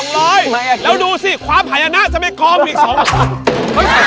แล้วดูสิความภัยนะจะไม่กรอบอีก๒๐๐บาท